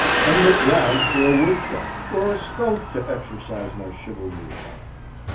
—and looked round for a woodchuck or a skunk to exercise my chivalry upon.